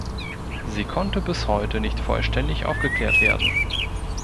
Sie konnte bis heute nicht vollständig aufgeklärt werden.